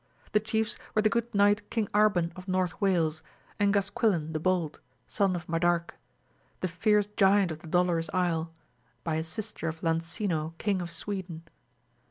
The chiefs were the good knight King Arban of North Wales, and Gasquilan the Bold, son of Madarque, the fierce Giant of the Dolorous Isle, by a sister of Lancino King of Sweden.